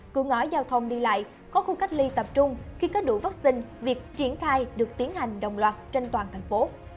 cửa ngõi giao thông đi lại có khu cách ly tập trung khi có đủ vắc xin việc triển khai được tiến hành đồng loạt trên toàn thành phố